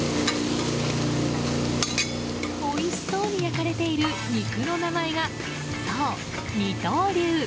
おいしそうに焼かれている肉の名前がそう、二刀流。